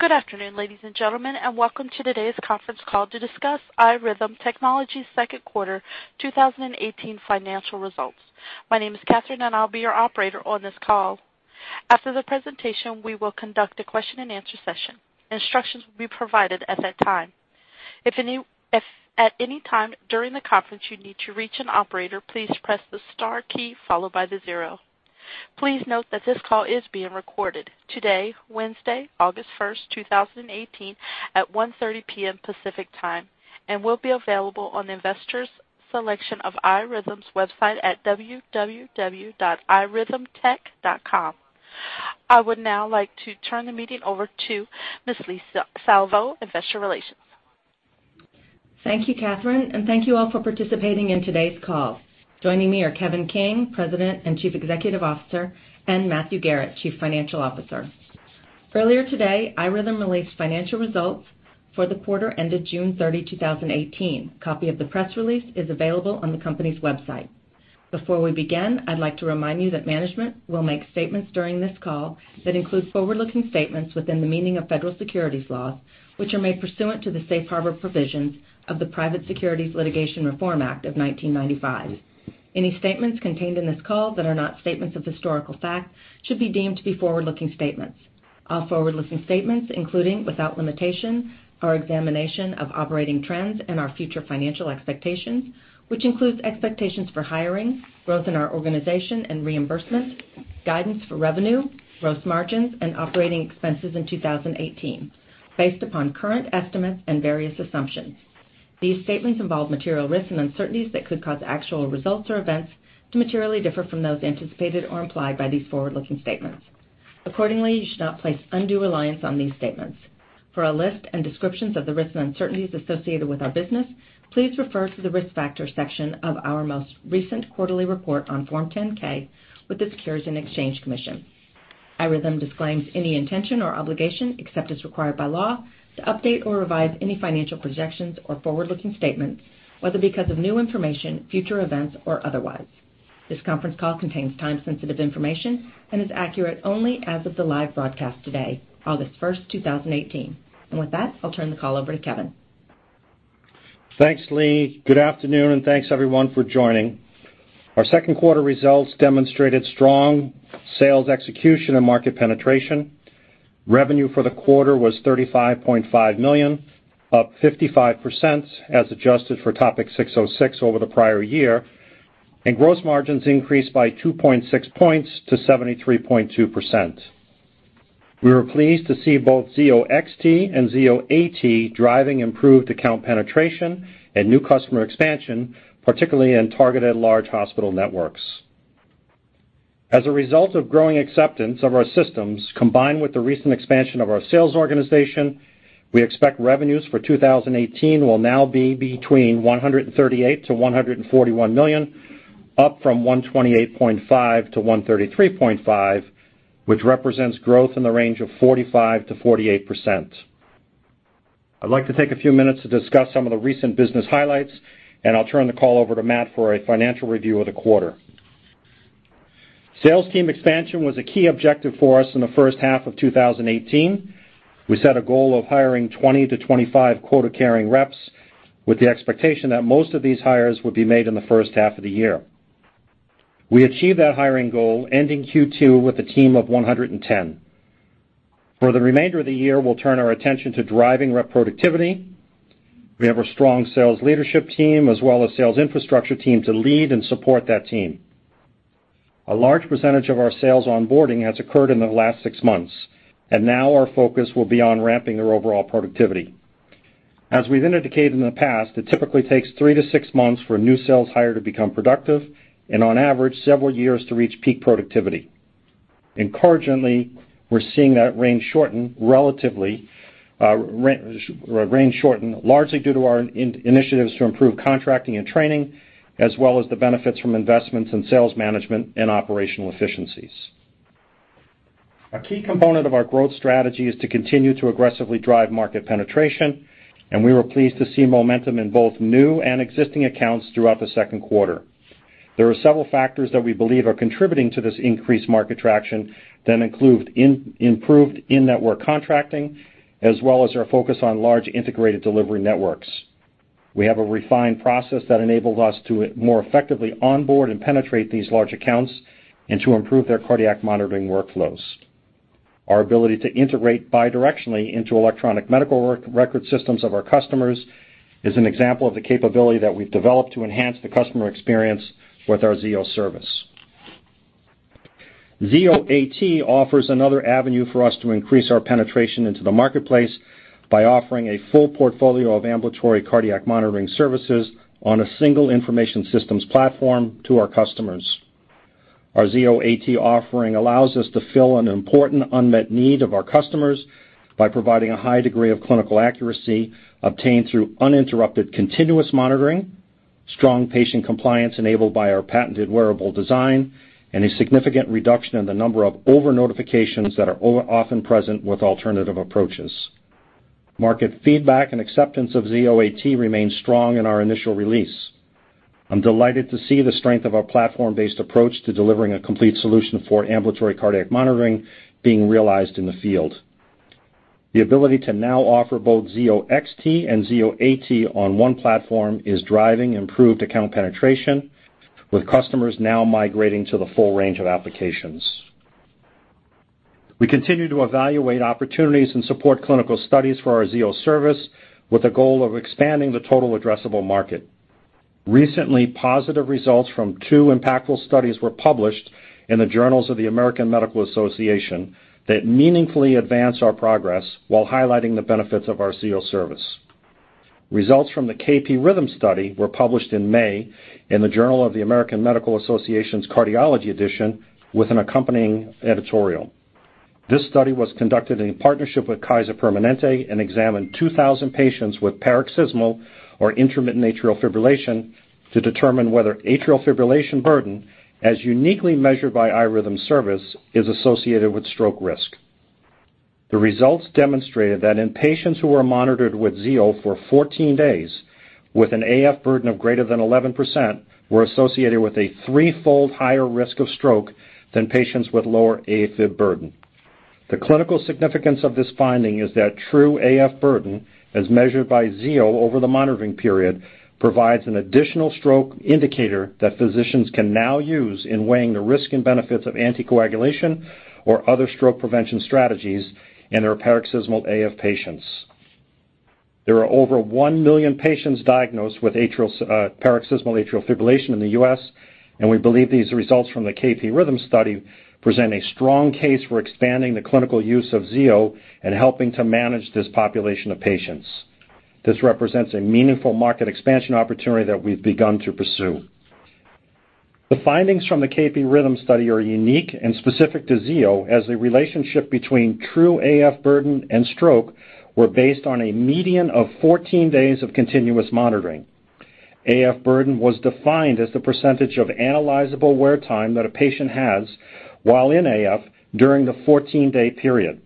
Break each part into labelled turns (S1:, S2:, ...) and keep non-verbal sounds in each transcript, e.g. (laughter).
S1: Good afternoon, ladies and gentlemen, and welcome to today's conference call to discuss iRhythm Technologies' second quarter 2018 financial results. My name is Katherine, and I'll be your operator on this call. After the presentation, we will conduct a question-and-answer session. Instructions will be provided at that time. If at any time during the conference you need to reach an operator, please press the star key followed by the 0. Please note that this call is being recorded today, Wednesday, August 1st, 2018, at 1:30 P.M. Pacific Time and will be available on investors' section of iRhythm's website at investors.irhythmtech.com. I would now like to turn the meeting over to Ms. Leigh Salvo, investor relations.
S2: Thank you, Katherine, and thank you all for participating in today's call. Joining me are Kevin King, President and Chief Executive Officer, and Matthew Garrett, Chief Financial Officer. Earlier today, iRhythm released financial results for the quarter ended June 30, 2018. Copy of the press release is available on the company's website. Before we begin, I'd like to remind you that management will make statements during this call that include forward-looking statements within the meaning of federal securities laws, which are made pursuant to the safe harbor provisions of the Private Securities Litigation Reform Act of 1995. Any statements contained in this call that are not statements of historical fact should be deemed to be forward-looking statements. All forward-looking statements, including, without limitation, our examination of operating trends and our future financial expectations, which includes expectations for hiring, growth in our organization and reimbursement, guidance for revenue, gross margins, and operating expenses in 2018 based upon current estimates and various assumptions. These statements involve material risks and uncertainties that could cause actual results or events to materially differ from those anticipated or implied by these forward-looking statements. Accordingly, you should not place undue reliance on these statements. For a list and descriptions of the risks and uncertainties associated with our business, please refer to the Risk Factors section of our most recent quarterly report on Form 10-K with the Securities and Exchange Commission. iRhythm disclaims any intention or obligation, except as required by law, to update or revise any financial projections or forward-looking statements, whether because of new information, future events, or otherwise. This conference call contains time-sensitive information and is accurate only as of the live broadcast today, August 1st, 2018. With that, I'll turn the call over to Kevin.
S3: Thanks, Leigh. Good afternoon, thanks, everyone, for joining. Our second quarter results demonstrated strong sales execution and market penetration. Revenue for the quarter was $35.5 million, up 55% as adjusted for ASC 606 over the prior year. Gross margins increased by 2.6 points to 73.2%. We were pleased to see both Zio XT and Zio AT driving improved account penetration and new customer expansion, particularly in targeted large hospital networks. As a result of growing acceptance of our systems, combined with the recent expansion of our sales organization, we expect revenues for 2018 will now be between $138 million-$141 million, up from $128.5 million-$133.5 million, which represents growth in the range of 45%-48%. I'd like to take a few minutes to discuss some of the recent business highlights. I'll turn the call over to Matt for a financial review of the quarter. Sales team expansion was a key objective for us in the first half of 2018. We set a goal of hiring 20-25 quota-carrying reps, with the expectation that most of these hires would be made in the first half of the year. We achieved that hiring goal, ending Q2 with a team of 110. For the remainder of the year, we'll turn our attention to driving rep productivity. We have a strong sales leadership team as well as sales infrastructure team to lead and support that team. A large percentage of our sales onboarding has occurred in the last six months. Now our focus will be on ramping their overall productivity. As we've indicated in the past, it typically takes three to six months for a new sales hire to become productive, on average, several years to reach peak productivity. Encouragingly, we're seeing that range shorten largely due to our initiatives to improve contracting and training, as well as the benefits from investments in sales management and operational efficiencies. A key component of our growth strategy is to continue to aggressively drive market penetration. We were pleased to see momentum in both new and existing accounts throughout the second quarter. There are several factors that we believe are contributing to this increased market traction that include improved in-network contracting, as well as our focus on large integrated delivery networks. We have a refined process that enables us to more effectively onboard and penetrate these large accounts to improve their cardiac monitoring workflows. Our ability to integrate bidirectionally into electronic medical record systems of our customers is an example of the capability that we've developed to enhance the customer experience with our Zio service. Zio AT offers another avenue for us to increase our penetration into the marketplace by offering a full portfolio of ambulatory cardiac monitoring services on a single information systems platform to our customers. Our Zio AT offering allows us to fill an important unmet need of our customers by providing a high degree of clinical accuracy obtained through uninterrupted continuous monitoring, strong patient compliance enabled by our patented wearable design, a significant reduction in the number of over-notifications that are often present with alternative approaches. Market feedback and acceptance of Zio AT remains strong in our initial release. I'm delighted to see the strength of our platform-based approach to delivering a complete solution for ambulatory cardiac monitoring being realized in the field. The ability to now offer both Zio XT and Zio AT on one platform is driving improved account penetration, with customers now migrating to the full range of applications. We continue to evaluate opportunities and support clinical studies for our Zio service, with a goal of expanding the total addressable market. Recently, positive results from two impactful studies were published in the "Journal of the American Medical Association" that meaningfully advance our progress while highlighting the benefits of our Zio service. Results from the KP-RHYTHM Study were published in May in "JAMA Cardiology" with an accompanying editorial. This study was conducted in partnership with Kaiser Permanente and examined 2,000 patients with paroxysmal or intermittent atrial fibrillation to determine whether atrial fibrillation burden, as uniquely measured by Zio service, is associated with stroke risk. The results demonstrated that in patients who were monitored with Zio for 14 days, with an AF burden of greater than 11%, were associated with a threefold higher risk of stroke than patients with lower AFib burden. The clinical significance of this finding is that true AF burden, as measured by Zio over the monitoring period, provides an additional stroke indicator that physicians can now use in weighing the risk and benefits of anticoagulation or other stroke prevention strategies in their paroxysmal AF patients. There are over 1 million patients diagnosed with paroxysmal atrial fibrillation in the U.S., and we believe these results from the KP-RHYTHM Study present a strong case for expanding the clinical use of Zio and helping to manage this population of patients. This represents a meaningful market expansion opportunity that we've begun to pursue. The findings from the KP-RHYTHM Study are unique and specific to Zio, as the relationship between true AF burden and stroke were based on a median of 14 days of continuous monitoring. AF burden was defined as the percentage of analyzable wear time that a patient has while in AF during the 14-day period.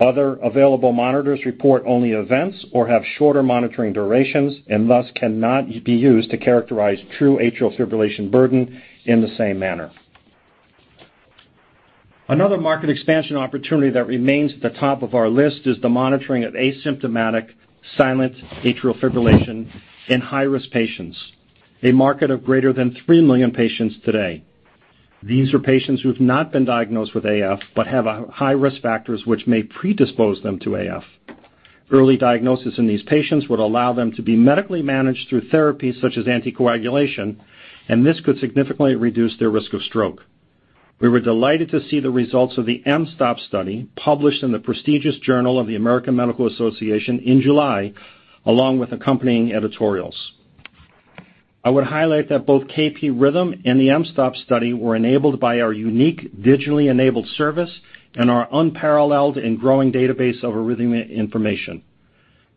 S3: Other available monitors report only events or have shorter monitoring durations and thus cannot be used to characterize true atrial fibrillation burden in the same manner. Another market expansion opportunity that remains at the top of our list is the monitoring of asymptomatic silent atrial fibrillation in high-risk patients, a market of greater than 3 million patients today. These are patients who have not been diagnosed with AF, but have high risk factors which may predispose them to AF. Early diagnosis in these patients would allow them to be medically managed through therapies such as anticoagulation. This could significantly reduce their risk of stroke. We were delighted to see the results of the mSToPS Study published in the prestigious "Journal of the American Medical Association" in July, along with accompanying editorials. I would highlight that both KP-RHYTHM and the mSToPS Study were enabled by our unique digitally enabled service and our unparalleled and growing database of arrhythmia information.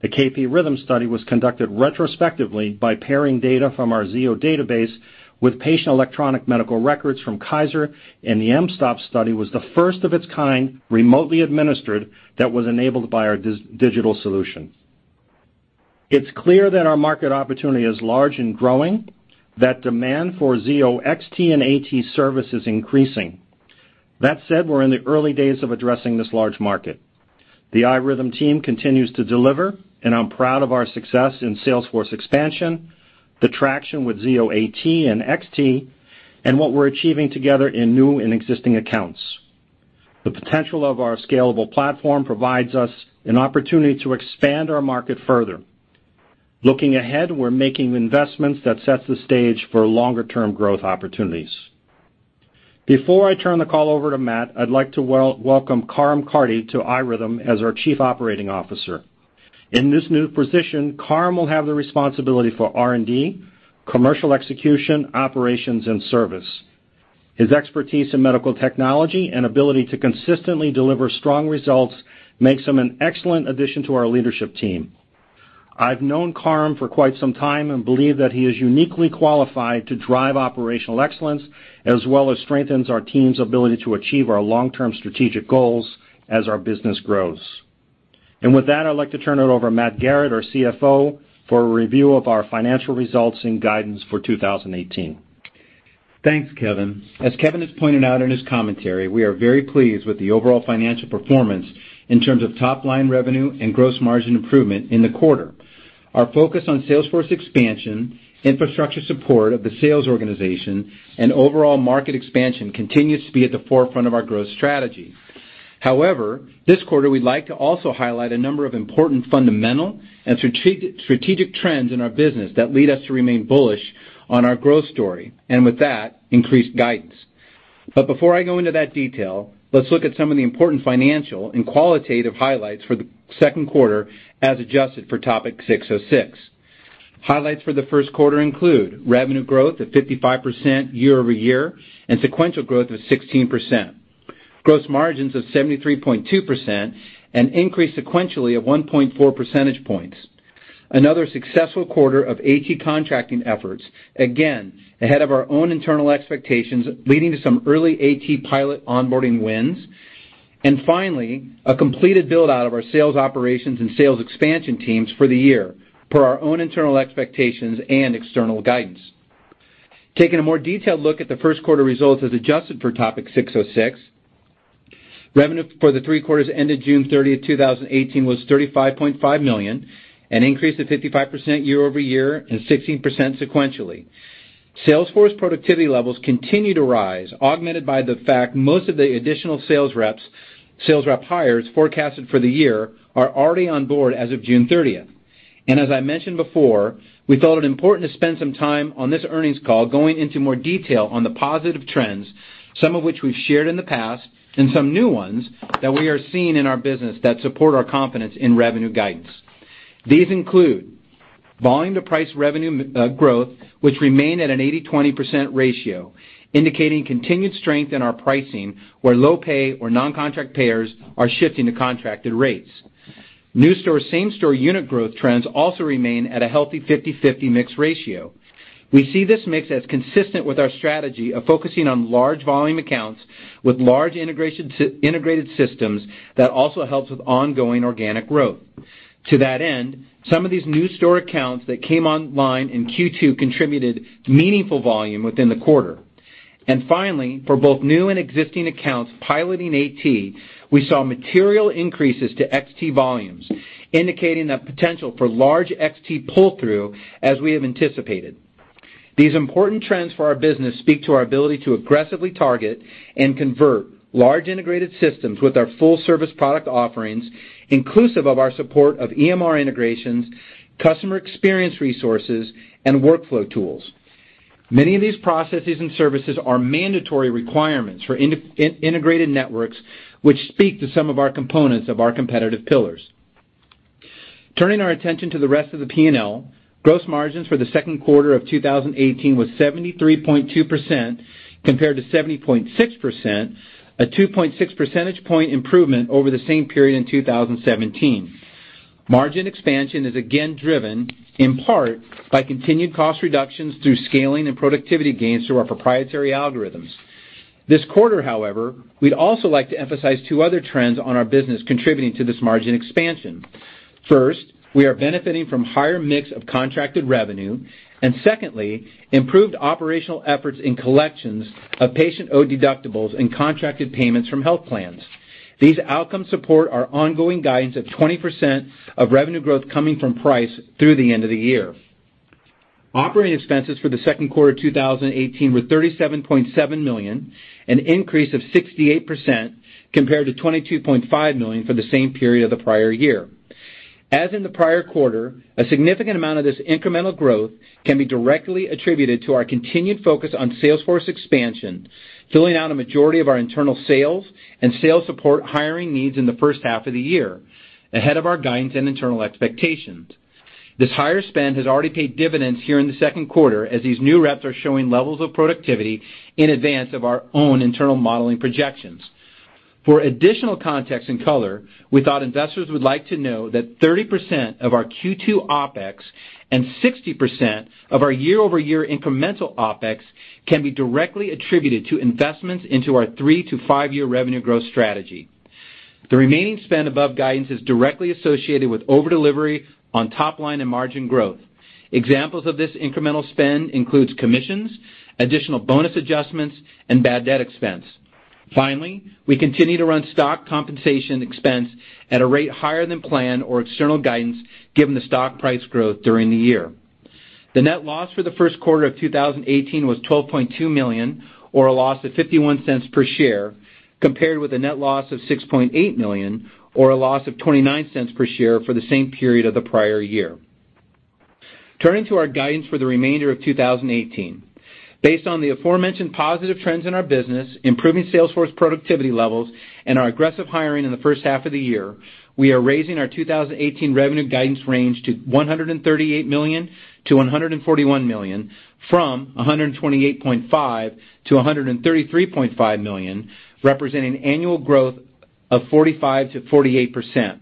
S3: The KP-RHYTHM Study was conducted retrospectively by pairing data from our Zio database with patient electronic medical records from Kaiser, and the mSToPS Study was the first of its kind, remotely administered, that was enabled by our digital solution. It's clear that our market opportunity is large and growing, that demand for Zio XT and AT service is increasing. That said, we're in the early days of addressing this large market. The iRhythm team continues to deliver, and I'm proud of our success in sales force expansion, the traction with Zio AT and XT, and what we're achieving together in new and existing accounts. The potential of our scalable platform provides us an opportunity to expand our market further. We're making investments that sets the stage for longer-term growth opportunities. Before I turn the call over to Matt, I'd like to welcome Karim Karti to iRhythm as our Chief Operating Officer. In this new position, Karim will have the responsibility for R&D, commercial execution, operations, and service. His expertise in medical technology and ability to consistently deliver strong results makes him an excellent addition to our leadership team. I've known Karim for quite some time and believe that he is uniquely qualified to drive operational excellence, as well as strengthens our team's ability to achieve our long-term strategic goals as our business grows. With that, I'd like to turn it over to Matt Garrett, our CFO, for a review of our financial results and guidance for 2018.
S4: Thanks, Kevin. As Kevin has pointed out in his commentary, we are very pleased with the overall financial performance in terms of top-line revenue and gross margin improvement in the quarter. Our focus on sales force expansion, infrastructure support of the sales organization, and overall market expansion continues to be at the forefront of our growth strategy. This quarter, we'd like to also highlight a number of important fundamental and strategic trends in our business that lead us to remain bullish on our growth story, with that, increased guidance. Before I go into that detail, let's look at some of the important financial and qualitative highlights for the second quarter as adjusted for ASC 606. Highlights for the first quarter include revenue growth of 55% year-over-year and sequential growth of 16%. Gross margins of 73.2% and increased sequentially at 1.4 percentage points. Another successful quarter of AT contracting efforts, again, ahead of our own internal expectations, leading to some early AT pilot onboarding wins. Finally, a completed build-out of our sales operations and sales expansion teams for the year per our own internal expectations and external guidance. Taking a more detailed look at the first quarter results as adjusted for ASC 606, revenue for the three quarters ended June 30, 2018, was $35.5 million, an increase of 55% year-over-year and 16% sequentially. Sales force productivity levels continue to rise, augmented by the fact most of the additional sales rep hires forecasted for the year are already on board as of June 30th. As I mentioned before, we thought it important to spend some time on this earnings call going into more detail on the positive trends, some of which we've shared in the past, and some new ones that we are seeing in our business that support our confidence in revenue guidance. These include volume to price revenue growth, which remain at an 80/20 ratio, indicating continued strength in our pricing where low-pay or non-contract payers are shifting to contracted rates. New store, same store unit growth trends also remain at a healthy 50/50 mix ratio. We see this mix as consistent with our strategy of focusing on large volume accounts with large integrated systems that also helps with ongoing organic growth. To that end, some of these new store accounts that came online in Q2 contributed meaningful volume within the quarter. Finally, for both new and existing accounts piloting AT, we saw material increases to XT volumes, indicating a potential for large XT pull-through as we have anticipated. These important trends for our business speak to our ability to aggressively target and convert large integrated systems with our full service product offerings, inclusive of our support of EMR integrations, customer experience resources, and workflow tools. Many of these processes and services are mandatory requirements for integrated networks, which speak to some of our components of our competitive pillars. Turning our attention to the rest of the P&L, gross margins for the second quarter of 2018 was 73.2% compared to 70.6%, a 2.6 percentage point improvement over the same period in 2017. Margin expansion is again driven in part by continued cost reductions through scaling and productivity gains through our proprietary algorithms. This quarter, however, we'd also like to emphasize two other trends on our business contributing to this margin expansion. First, we are benefiting from higher mix of contracted revenue, and secondly, improved operational efforts in collections of patient owed deductibles and contracted payments from health plans. These outcomes support our ongoing guidance of 20% of revenue growth coming from price through the end of the year. Operating expenses for the second quarter 2018 were $37.7 million, an increase of 68% compared to $22.5 million for the same period of the prior year. As in the prior quarter, a significant amount of this incremental growth can be directly attributed to our continued focus on sales force expansion, filling out a majority of our internal sales and sales support hiring needs in the first half of the year, ahead of our guidance and internal expectations. This higher spend has already paid dividends here in the second quarter as these new reps are showing levels of productivity in advance of our own internal modeling projections. For additional context and color, we thought investors would like to know that 30% of our Q2 OpEx and 60% of our year-over-year incremental OpEx can be directly attributed to investments into our three to five-year revenue growth strategy. The remaining spend above guidance is directly associated with over-delivery on top line and margin growth. Examples of this incremental spend includes commissions, additional bonus adjustments, and bad debt expense. Finally, we continue to run stock compensation expense at a rate higher than planned or external guidance given the stock price growth during the year. The net loss for the first quarter of 2018 was $12.2 million, or a loss of $0.51 per share, compared with a net loss of $6.8 million or a loss of $0.29 per share for the same period of the prior year. Turning to our guidance for the remainder of 2018. Based on the aforementioned positive trends in our business, improving sales force productivity levels, and our aggressive hiring in the first half of the year, we are raising our 2018 revenue guidance range to $138 million-$141 million from $128.5 million-$133.5 million, representing annual growth of 45%-48%.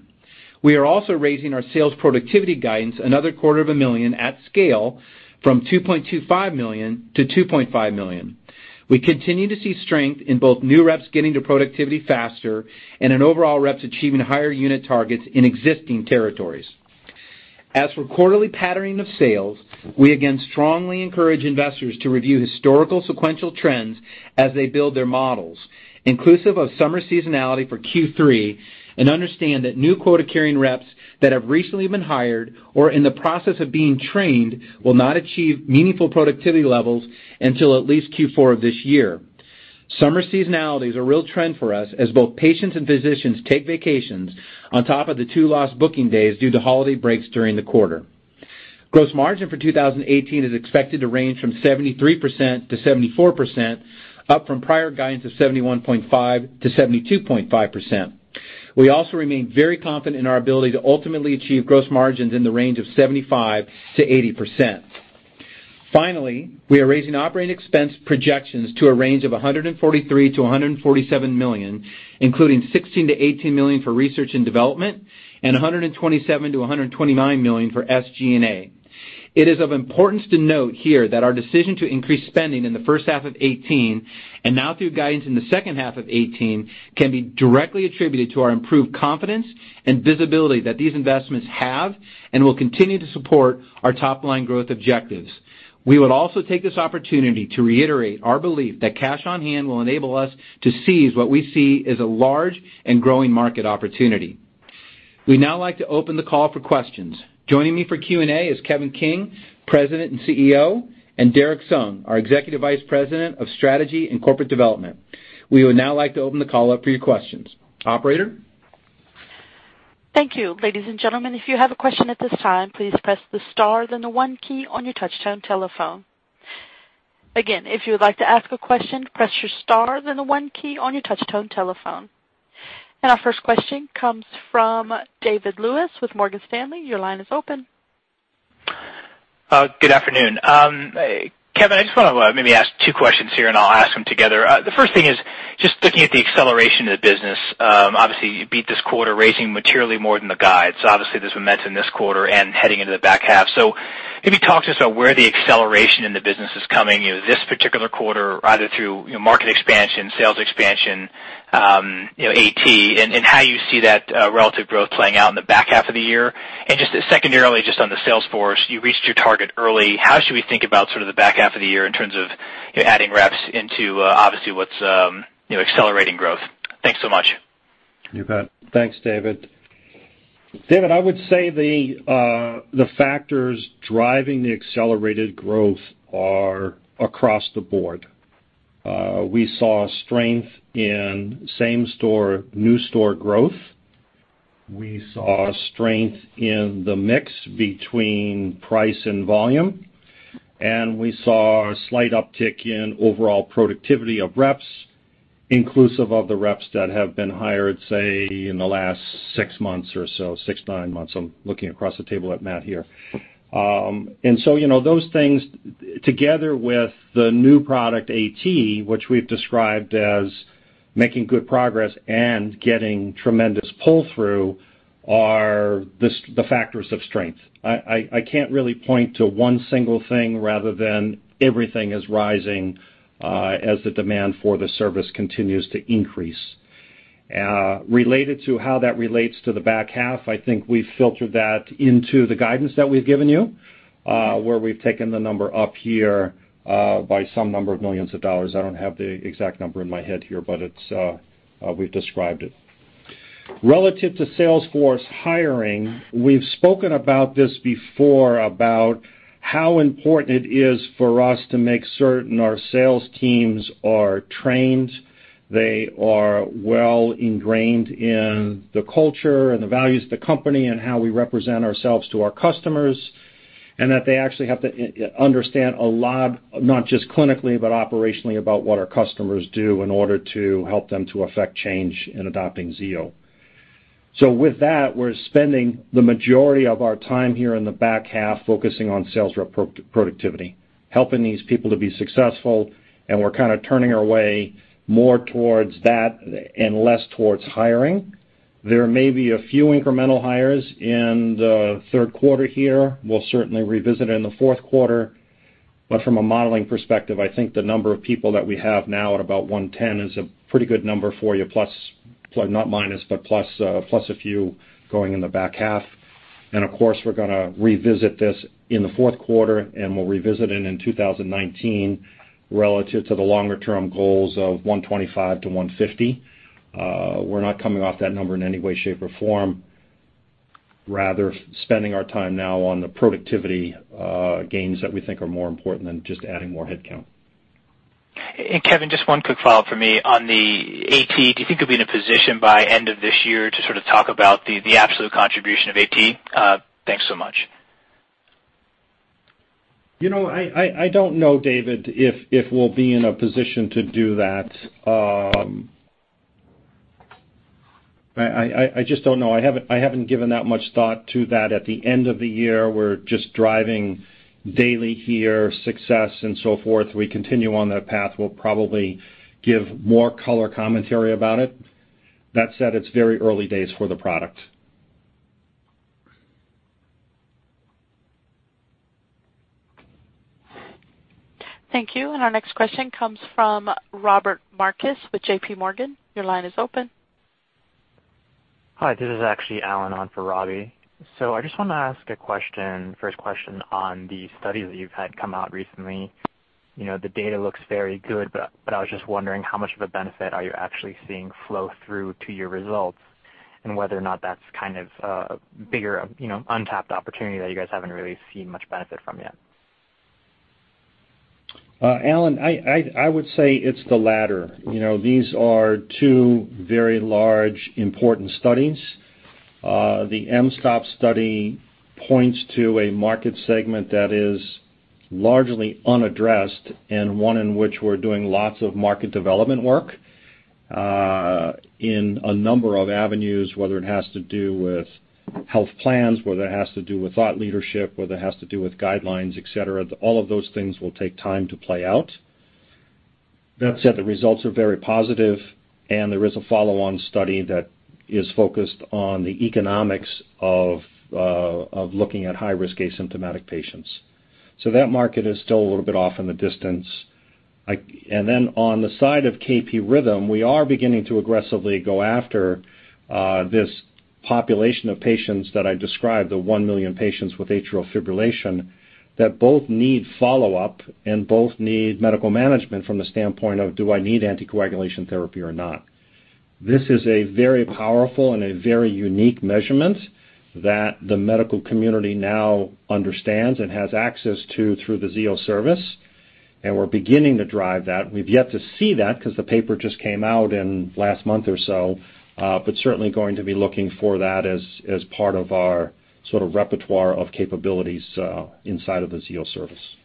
S4: We are also raising our sales productivity guidance another quarter of a million at scale from $2.25 million to $2.5 million. We continue to see strength in both new reps getting to productivity faster and in overall reps achieving higher unit targets in existing territories. As for quarterly patterning of sales, we again strongly encourage investors to review historical sequential trends as they build their models, inclusive of summer seasonality for Q3, and understand that new quota-carrying reps that have recently been hired or are in the process of being trained will not achieve meaningful productivity levels until at least Q4 of this year. Summer seasonality is a real trend for us as both patients and physicians take vacations on top of the two lost booking days due to holiday breaks during the quarter. Gross margin for 2018 is expected to range from 73%-74%, up from prior guidance of 71.5%-72.5%. We also remain very confident in our ability to ultimately achieve gross margins in the range of 75%-80%. Finally, we are raising operating expense projections to a range of $143 million-$147 million, including $16 million-$18 million for research and development, and $127 million-$129 million for SG&A. It is of importance to note here that our decision to increase spending in the first half of 2018, and now through guidance in the second half of 2018, can be directly attributed to our improved confidence and visibility that these investments have and will continue to support our top-line growth objectives. We would also take this opportunity to reiterate our belief that cash on hand will enable us to seize what we see is a large and growing market opportunity. We'd now like to open the call for questions. Joining me for Q&A is Kevin King, President and CEO, and Derrick Sung, our Executive Vice President of Strategy and Corporate Development.
S3: We would now like to open the call up for your questions. Operator?
S1: Thank you. Ladies and gentlemen, if you have a question at this time, please press the star then the one key on your touchtone telephone. Again, if you would like to ask a question, press your star then the one key on your touchtone telephone. Our first question comes from David Lewis with Morgan Stanley. Your line is open.
S5: Good afternoon. Kevin, I just want to maybe ask two questions here, and I'll ask them together. The first thing is just looking at the acceleration of the business. Obviously, you beat this quarter, raising materially more than the guides. Obviously, there's momentum this quarter and heading into the back half. Maybe talk to us about where the acceleration in the business is coming this particular quarter, either through market expansion, sales expansion, AT, and how you see that relative growth playing out in the back half of the year. Just secondarily, just on the sales force, you reached your target early. How should we think about sort of the back half of the year in terms of adding reps into obviously what's accelerating growth? Thanks so much.
S3: You bet. Thanks, David. David, I would say the factors driving the accelerated growth are across the board. We saw strength in same store, new store growth. We saw strength in the mix between price and volume. We saw a slight uptick in overall productivity of reps, inclusive of the reps that have been hired, say, in the last six months or so, six, nine months. I'm looking across the table at Matt here. Those things, together with the new product, AT, which we've described as making good progress and getting tremendous pull-through, are the factors of strength. I can't really point to one single thing rather than everything is rising as the demand for the service continues to increase. Related to how that relates to the back half, I think we've filtered that into the guidance that we've given you, where we've taken the number up here by some number of millions of dollars. I don't have the exact number in my head here, but we've described it. Relative to sales force hiring, we've spoken about this before, about how important it is for us to make certain our sales teams are trained, they are well ingrained in the culture and the values of the company, and how we represent ourselves to our customers, and that they actually have to understand a lot, not just clinically, but operationally, about what our customers do in order to help them to affect change in adopting Zio. With that, we're spending the majority of our time here in the back half focusing on sales rep productivity, helping these people to be successful, and we're kind of turning our way more towards that and less towards hiring. There may be a few incremental hires in the third quarter here. We'll certainly revisit it in the fourth quarter. From a modeling perspective, I think the number of people that we have now at about 110 is a pretty good number for you, plus a few going in the back half. Of course, we're going to revisit this in the fourth quarter, and we'll revisit it in 2019 relative to the longer-term goals of 125 to 150. We're not coming off that number in any way, shape, or form. Rather, spending our time now on the productivity gains that we think are more important than just adding more headcount.
S5: Kevin, just one quick follow-up from me. On the AT, do you think you'll be in a position by end of this year to sort of talk about the absolute contribution of AT? Thanks so much.
S3: I don't know, David, if we'll be in a position to do that. I just don't know. I haven't given that much thought to that. At the end of the year, we're just driving daily here, success and so forth. We continue on that path. We'll probably give more color commentary about it. That said, it's very early days for the product.
S1: Thank you. Our next question comes from Robbie Marcus with J.P. Morgan. Your line is open.
S6: Hi, this is actually Allen on for Robbie. I just want to ask a first question on the studies that you've had come out recently. The data looks very good, but I was just wondering how much of a benefit are you actually seeing flow through to your results and whether or not that's kind of a bigger untapped opportunity that you guys haven't really seen much benefit from yet.
S3: Allen, I would say it's the latter. These are two very large, important studies. The mSToPS Study points to a market segment that is largely unaddressed and one in which we're doing lots of market development work in a number of avenues, whether it has to do with health plans, whether it has to do with thought leadership, whether it has to do with guidelines, et cetera, all of those things will take time to play out. That said, the results are very positive, and there is a follow-on study that is focused on the economics of looking at high-risk asymptomatic patients. That market is still a little bit off in the distance. On the side of KP-RHYTHM, we are beginning to aggressively go after this population of patients that I described, the 1 million patients with atrial fibrillation that both need follow-up and both need medical management from the standpoint of do I need anticoagulation therapy or not. This is a very powerful and a very unique measurement that the medical community now understands and has access to through the Zio service, and we're beginning to drive that. We've yet to see that because the paper just came out in last month or so, but certainly going to be looking for that as part of our sort of repertoire of capabilities inside of the Zio service.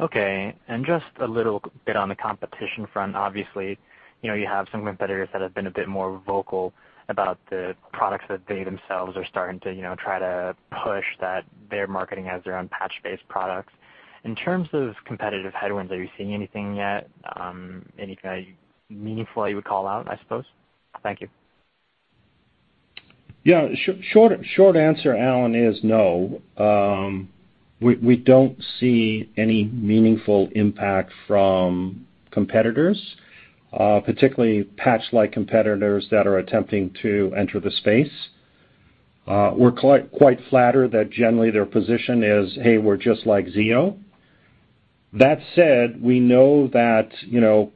S6: Okay. Just a little bit on the competition front. Obviously, you have some competitors that have been a bit more vocal about the products that they themselves are starting to try to push that they're marketing as their own patch-based products. In terms of competitive headwinds, are you seeing anything yet? Anything that meaningfully you would call out, I suppose? Thank you.
S3: Yeah. Short answer, Allen, is no. We don't see any meaningful impact from competitors, particularly patch-like competitors that are attempting to enter the space. We're quite flattered that generally their position is, "Hey, we're just like Zio." That said, we know that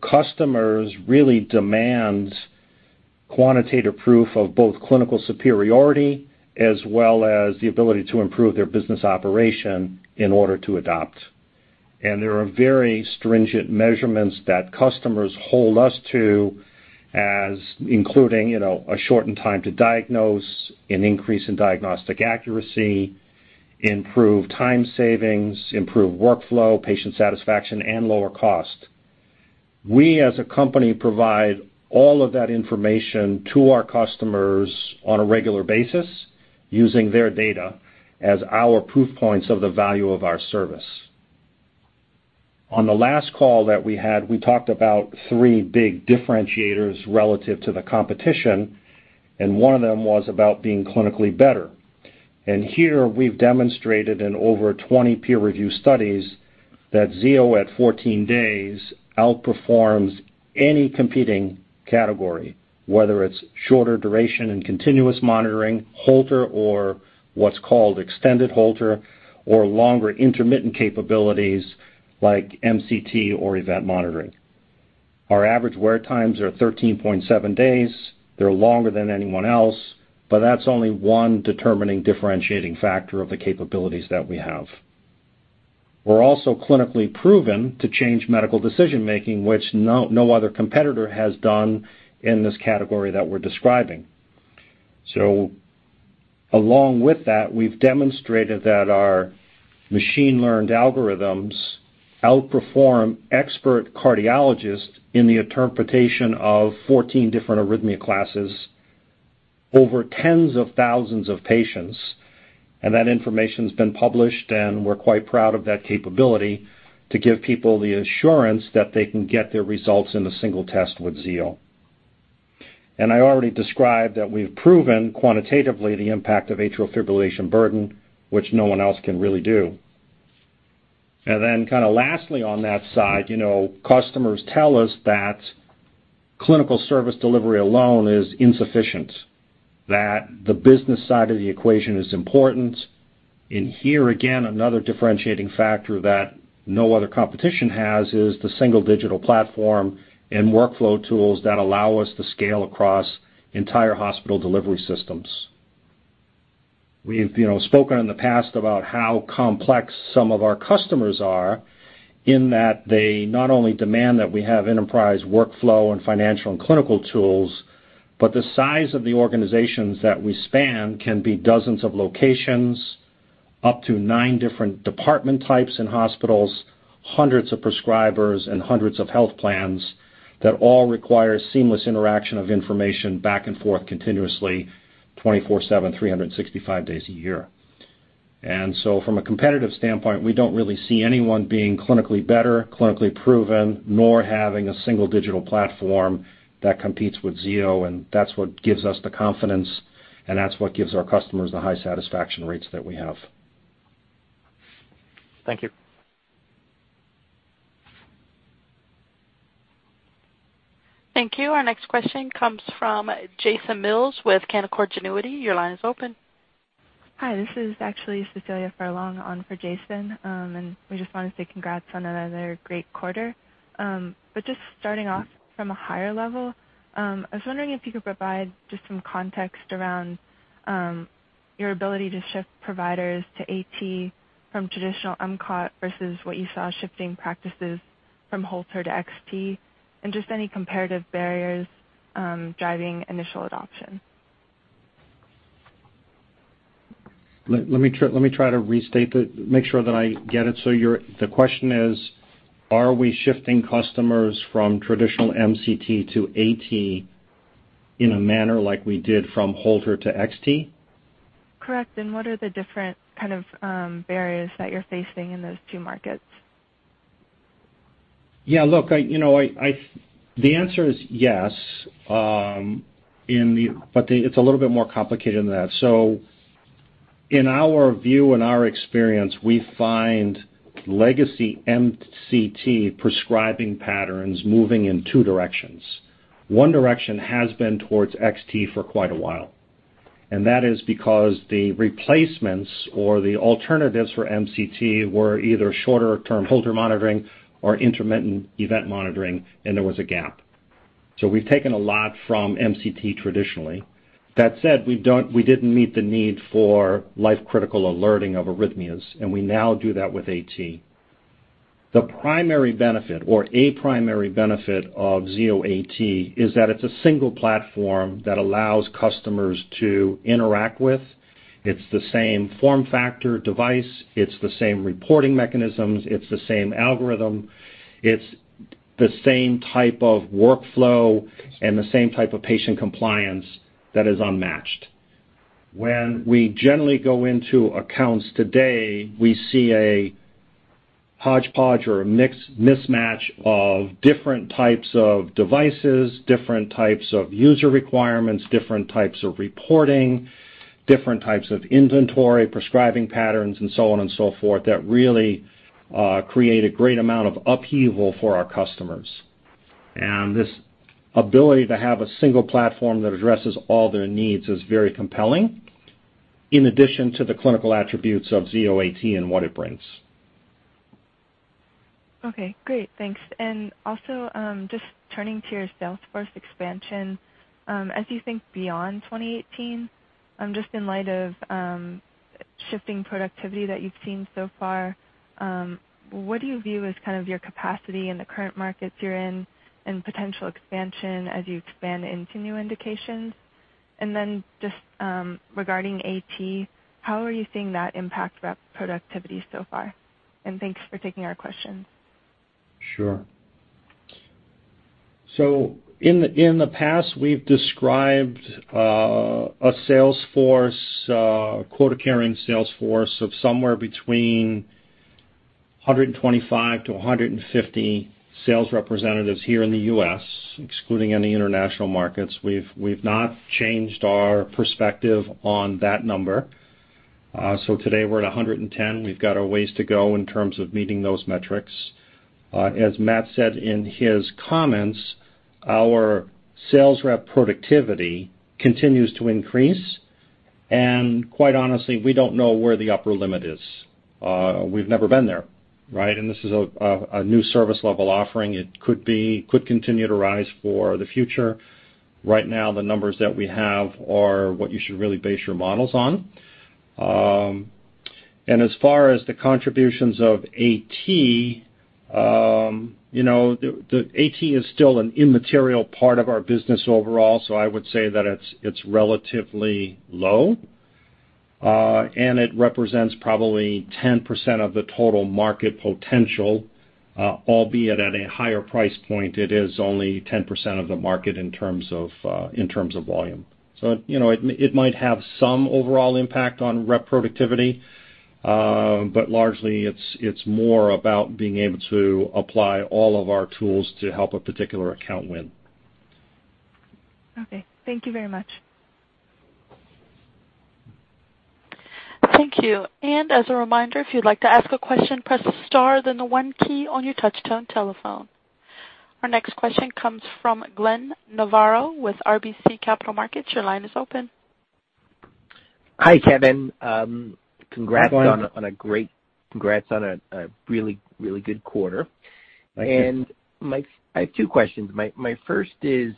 S3: customers really demand quantitative proof of both clinical superiority as well as the ability to improve their business operation in order to adopt. There are very stringent measurements that customers hold us to as including a shortened time to diagnose, an increase in diagnostic accuracy, improved time savings, improved workflow, patient satisfaction, and lower cost. We, as a company, provide all of that information to our customers on a regular basis using their data as our proof points of the value of our service. On the last call that we had, we talked about three big differentiators relative to the competition. One of them was about being clinically better. Here we've demonstrated in over 20 peer-reviewed studies that Zio at 14 days outperforms any competing category, whether it's shorter duration and continuous monitoring, Holter or what's called extended Holter, or longer intermittent capabilities like MCT or event monitoring. Our average wear times are 13.7 days. They're longer than anyone else, but that's only one determining differentiating factor of the capabilities that we have. We're also clinically proven to change medical decision-making, which no other competitor has done in this category that we're describing. Along with that, we've demonstrated that our machine-learned algorithms outperform expert cardiologists in the interpretation of 14 different arrhythmia classes over tens of thousands of patients. That information's been published, and we're quite proud of that capability to give people the assurance that they can get their results in a single test with Zio. I already described that we've proven quantitatively the impact of atrial fibrillation burden, which no one else can really do. Then kind of lastly on that side, customers tell us that clinical service delivery alone is insufficient, that the business side of the equation is important. Here again, another differentiating factor that no other competition has is the single digital platform and workflow tools that allow us to scale across entire hospital delivery systems. We've spoken in the past about how complex some of our customers are in that they not only demand that we have enterprise workflow and financial and clinical tools, but the size of the organizations that we span can be dozens of locations, up to nine different department types in hospitals, hundreds of prescribers, and hundreds of health plans that all require seamless interaction of information back and forth continuously, 24/7, 365 days a year. From a competitive standpoint, we don't really see anyone being clinically better, clinically proven, nor having a single digital platform that competes with Zio, and that's what gives us the confidence, and that's what gives our customers the high satisfaction rates that we have.
S6: Thank you.
S1: Thank you. Our next question comes from Jason Mills with Canaccord Genuity. Your line is open.
S7: Hi, this is actually Cecilia Furlong on for Jason. We just want to say congrats on another great quarter. Just starting off from a higher level, I was wondering if you could provide just some context around your ability to shift providers to AT from traditional MCT versus what you saw shifting practices from Holter to XT, and just any comparative barriers driving initial adoption.
S3: Let me try to restate that, make sure that I get it. The question is, are we shifting customers from traditional MCT to Zio AT in a manner like we did from Holter to Zio XT?
S7: Correct. What are the different kind of barriers that you're facing in those two markets?
S3: Yeah, look, the answer is yes, but it's a little bit more complicated than that. In our view and our experience, we find legacy MCT prescribing patterns moving in two directions. One direction has been towards Zio XT for quite a while, and that is because the replacements or the alternatives for MCT were either shorter-term Holter monitoring or intermittent event monitoring, and there was a gap. We've taken a lot from MCT traditionally. That said, we didn't meet the need for life-critical alerting of arrhythmias, and we now do that with Zio AT. The primary benefit or a primary benefit of Zio AT is that it's a single platform that allows customers to interact with. It's the same form factor device, it's the same reporting mechanisms, it's the same algorithm, it's the same type of workflow, and the same type of patient compliance that is unmatched. When we generally go into accounts today, we see a hodgepodge or a mismatch of different types of devices, different types of user requirements, different types of reporting, different types of inventory, prescribing patterns, and so on and so forth, that really create a great amount of upheaval for our customers. This ability to have a single platform that addresses all their needs is very compelling, in addition to the clinical attributes of Zio AT and what it brings.
S7: Okay, great. Thanks. Also, just turning to your sales force expansion. As you think beyond 2018, just in light of shifting productivity that you've seen so far, what do you view as kind of your capacity in the current markets you're in and potential expansion as you expand into new indications? Then just regarding AT, how are you seeing that impact rep productivity so far? Thanks for taking our questions.
S3: Sure. In the past, we've described a quota-carrying sales force of somewhere between 125 to 150 sales representatives here in the U.S., excluding any international markets. We've not changed our perspective on that number. Today we're at 110. We've got a ways to go in terms of meeting those metrics. As Matt said in his comments, our sales rep productivity continues to increase. Quite honestly, we don't know where the upper limit is. We've never been there, right? This is a new service-level offering. It could continue to rise for the future. Right now, the numbers that we have are what you should really base your models on. As far as the contributions of AT is still an immaterial part of our business overall. I would say that it's relatively low, and it represents probably 10% of the total market potential, albeit at a higher price point. It is only 10% of the market in terms of volume. It might have some overall impact on rep productivity, but largely, it's more about being able to apply all of our tools to help a particular account win.
S7: Okay. Thank you very much.
S1: Thank you. As a reminder, if you'd like to ask a question, press star, the one key on your touch-tone telephone. Our next question comes from Glenn Novarro with RBC Capital Markets. Your line is open.
S8: Hi, Kevin.
S3: Hi, Glenn.
S8: Congrats on a really good quarter.
S3: Thank you.
S8: I have two questions. My first is,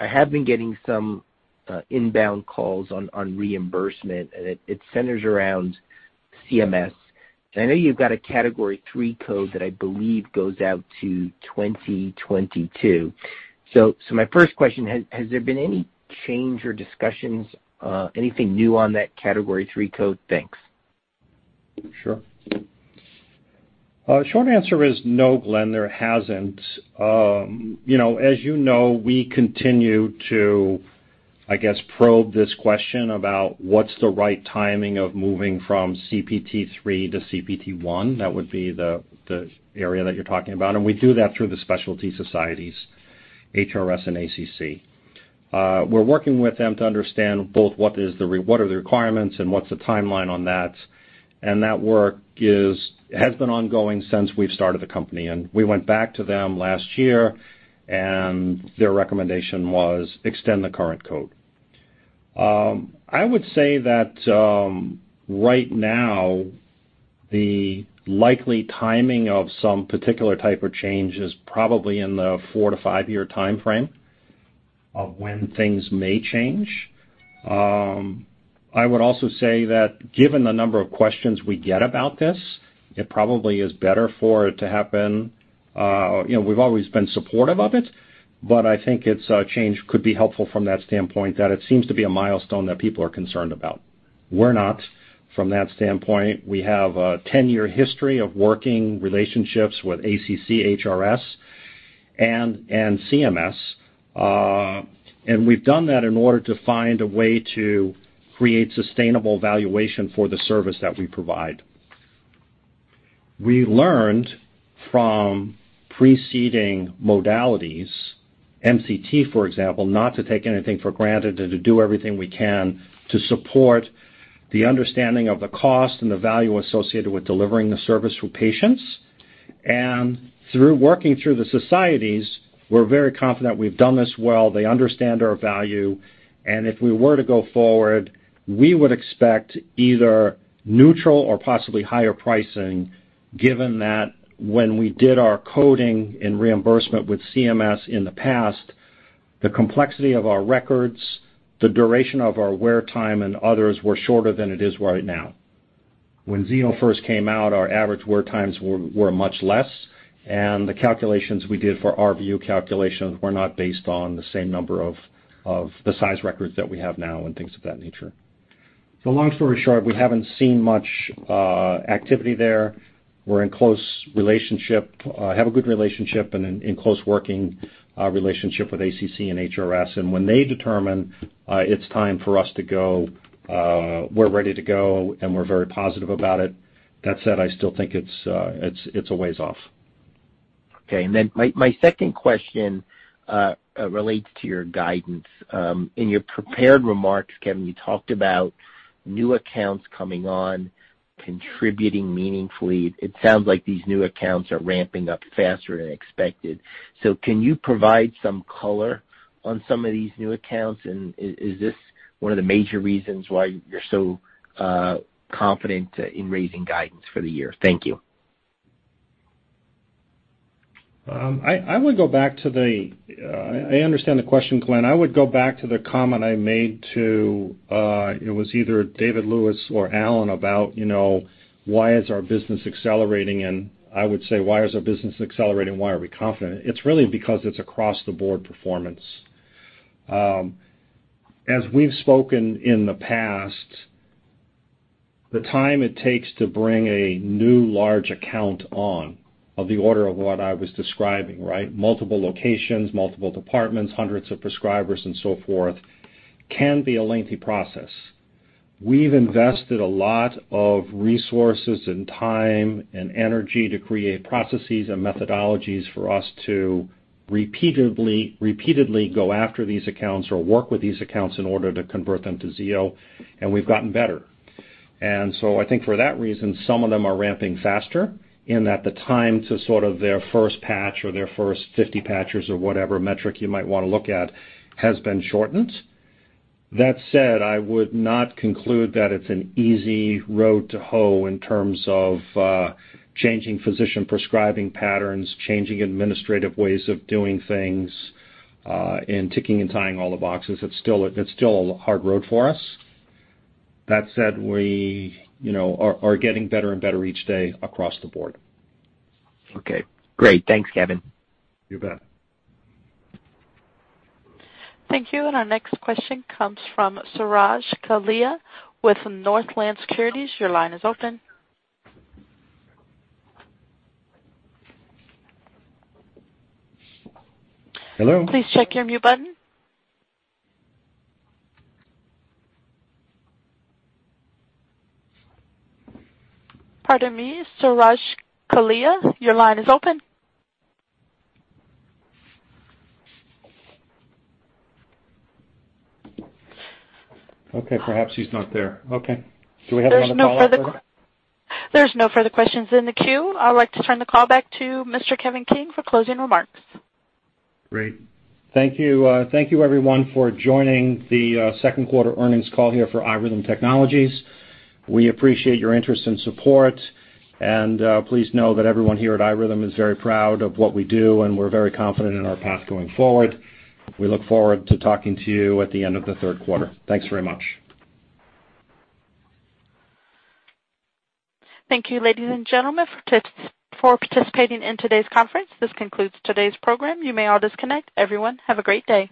S8: I have been getting some inbound calls on reimbursement, and it centers around CMS. I know you've got a category 3 code that I believe goes out to 2022. My first question, has there been any change or discussions, anything new on that category 3 code? Thanks.
S3: Sure. Short answer is no, Glenn, there hasn't. As you know, we continue to, I guess, probe this question about what's the right timing of moving from CPT 3 to CPT 1. That would be the area that you're talking about, and we do that through the specialty societies, HRS and ACC. We're working with them to understand both what are the requirements and what's the timeline on that. That work has been ongoing since we've started the company. We went back to them last year, and their recommendation was extend the current code. I would say that right now the likely timing of some particular type of change is probably in the four to five-year timeframe of when things may change. I would also say that given the number of questions we get about this, it probably is better for it to happen. We've always been supportive of it. I think its change could be helpful from that standpoint, that it seems to be a milestone that people are concerned about. We're not from that standpoint. We have a 10-year history of working relationships with ACC, HRS, and CMS. We've done that in order to find a way to create sustainable valuation for the service that we provide. We learned from preceding modalities, MCT, for example, not to take anything for granted and to do everything we can to support the understanding of the cost and the value associated with delivering the service for patients. Through working through the societies, we're very confident we've done this well. They understand our value, if we were to go forward, we would expect either neutral or possibly higher pricing, given that when we did our coding and reimbursement with CMS in the past, the complexity of our records, the duration of our wear time, and others were shorter than it is right now. When Zio first came out, our average wear times were much less, and the calculations we did for our view calculations were not based on the same number of the size records that we have now and things of that nature. Long story short, we haven't seen much activity there. We're in close relationship, have a good relationship, and in close working relationship with ACC and HRS, and when they determine it's time for us to go, we're ready to go, and we're very positive about it. That said, I still think it's a ways off.
S8: Okay. My second question relates to your guidance. In your prepared remarks, Kevin, you talked about new accounts coming on, contributing meaningfully. It sounds like these new accounts are ramping up faster than expected. Can you provide some color on some of these new accounts? Is this one of the major reasons why you're so confident in raising guidance for the year? Thank you.
S3: I understand the question, Glenn. I would go back to the comment I made to, it was either David Lewis or Allen, about why is our business accelerating, I would say, why is our business accelerating? Why are we confident? It's really because it's across-the-board performance. As we've spoken in the past, the time it takes to bring a new large account on of the order of what I was describing, right? Multiple locations, multiple departments, hundreds of prescribers, so forth, can be a lengthy process. We've invested a lot of resources and time and energy to create processes and methodologies for us to repeatedly go after these accounts or work with these accounts in order to convert them to Zio, we've gotten better. I think for that reason, some of them are ramping faster in that the time to sort of their first patch or their first 50 patches or whatever metric you might want to look at has been shortened. That said, I would not conclude that it's an easy road to hoe in terms of changing physician prescribing patterns, changing administrative ways of doing things, and ticking and tying all the boxes. It's still a hard road for us. That said, we are getting better and better each day across the board.
S8: Okay, great. Thanks, Kevin.
S3: You bet.
S1: Thank you. Our next question comes from Suraj Kalia with Northland Securities. Your line is open.
S3: Hello?
S1: Please check your mute button. Pardon me, Suraj Kalia, your line is open.
S3: Okay. Perhaps he's not there. Okay. Do we have another follow-up. (inaudible)
S1: There's no further questions in the queue. I'd like to turn the call back to Mr. Kevin King for closing remarks.
S3: Great. Thank you. Thank you everyone for joining the second quarter earnings call here for iRhythm Technologies. We appreciate your interest and support, and please know that everyone here at iRhythm is very proud of what we do, and we're very confident in our path going forward. We look forward to talking to you at the end of the third quarter. Thanks very much.
S1: Thank you, ladies and gentlemen, for participating in today's conference. This concludes today's program. You may all disconnect. Everyone, have a great day.